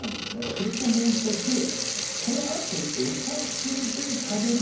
それと、もう１つそのあとにお茶漬けで食べる。